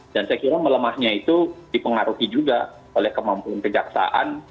dan saya kira melemahnya itu dipengaruhi juga oleh kemampuan kejaksaan